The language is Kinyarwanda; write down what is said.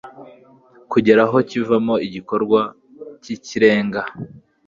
kugera aho kivamo igikorwa cy'ikirenga